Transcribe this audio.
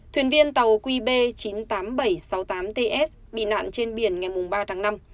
thuyền viên tàu qb chín mươi tám nghìn bảy trăm sáu mươi tám ts bị nạn trên biển ngày ba tháng năm